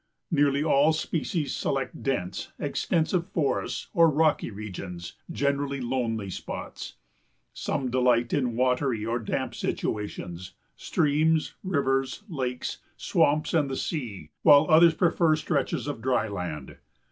Nearly all species select dense, extensive forests or rocky regions, generally lonely spots. Some delight in watery or damp situations, streams, rivers, lakes, swamps and the sea, while others prefer stretches of dry land.